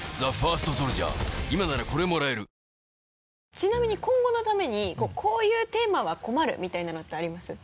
ちなみに今後のためにこういうテーマは困るみたいなのってあります？